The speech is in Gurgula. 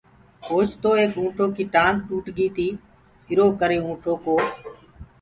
اوچتو ايڪ اُنٚٺو ڪيٚ ٽآنٚگ ٽوٽ گي تيٚ ايرو ڪري ُِانٚٺ ڪو